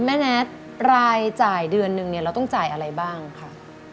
แม่แน็ตรายจ่ายเดือนนึงเนี่ยเราต้องจ่ายอะไรบ้างค่ะ